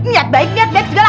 niat baik niat baik segala